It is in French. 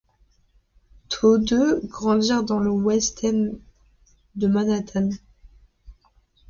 Tous deux grandirent dans le West End de Manhattan.